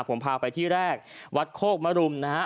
ผมพาไปที่แรกวัดโคกมรุมนะฮะ